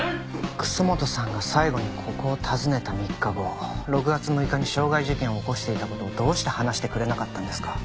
楠本さんが最後にここを訪ねた３日後６月６日に傷害事件を起こしていた事をどうして話してくれなかったんですか？